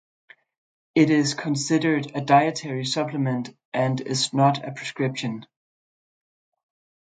It is considered a dietary supplement and is not a prescription.